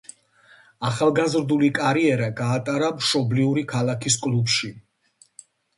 ახალგაზრდული კარიერა გაატარა მშობლიური ქალაქის კლუბში.